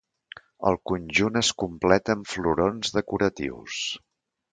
El conjunt es completa amb florons decoratius.